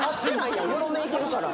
よろめいてるから。